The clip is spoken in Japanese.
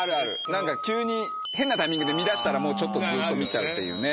何か急に変なタイミングで見だしたらずっと見ちゃうっていうね。